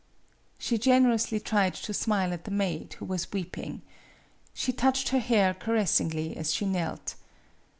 She generously tried to smile at the maid, who was weeping. She touched her hair caressingly as she knelt.